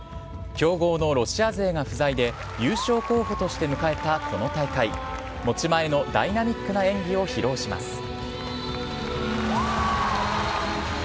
強豪のロシア勢が不在で優勝候補として迎えたこの大会持ち前のダイナミックな演技を披露します。